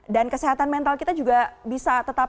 dan kesehatan mental kita juga bisa tetap tergantung